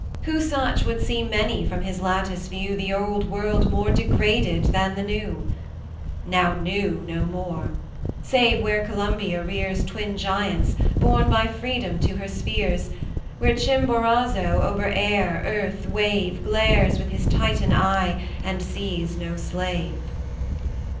Who such would see may from his lattice view The Old World more degraded than the New, Now new no more, save where Columbia rears Twin giants, born by Freedom to her spheres, Where Chimborazo, over air, earth, wave, Glares with his Titan eye, and sees no slave.